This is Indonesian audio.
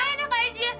ya enak aja